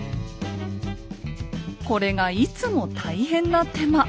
これがいつも大変な手間。